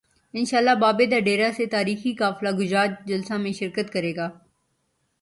انشا ءاللہ بابے دا ڈیرہ سے تا ریخی قافلہ گجرات جلسہ میں شر کت کر ے گا